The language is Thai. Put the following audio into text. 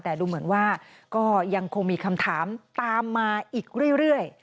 แต่ดูเหมือนว่าก็ยังคงมีคำถามตามมาอีกเรื่อย